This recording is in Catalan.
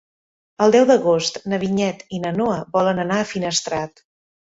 El deu d'agost na Vinyet i na Noa volen anar a Finestrat.